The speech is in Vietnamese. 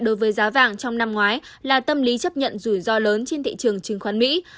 đối với giá vàng trong năm ngoái là tâm lý chấp nhận rủi ro lớn trên thị trường chứng khoán mỹ